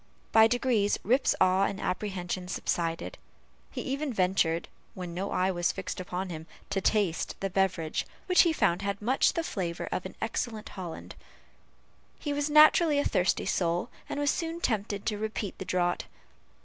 By degrees, Rip's awe and apprehension subsided. He even ventured, when no eye was fixed upon him, to taste the beverage which he found had much of the flavor of excellent Hollands. He was naturally a thirsty soul, and was soon tempted to repeat the draught.